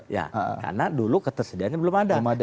ya karena dulu ketersediaannya belum ada